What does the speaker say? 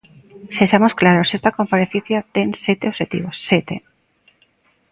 Sexamos claros, esta comparecencia ten sete obxectivos, ¡sete!